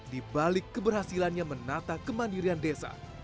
di balik keberhasilannya menata kemandirian desa